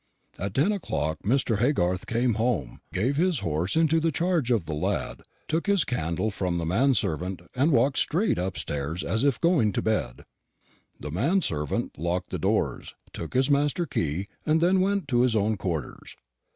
"At ten o'clock Mr. Haygarth came home, gave his horse into the charge of the lad, took his candle from the man servant, and walked straight upstairs, as if going to bed. The man servant locked the doors, took his master the key, and then went to his own quarters.